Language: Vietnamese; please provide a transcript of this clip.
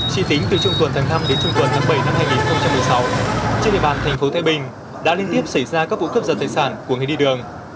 chỉ tính từ trung tuần tháng năm đến trung tuần tháng bảy năm hai nghìn một mươi sáu trên địa bàn thành phố thái bình đã liên tiếp xảy ra các vụ cướp giật tài sản của người đi đường